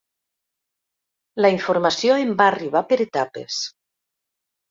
La informació em va arribar per etapes.